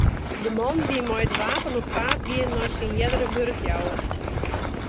De man wie mei it wapen op paad gien nei syn eardere wurkjouwer.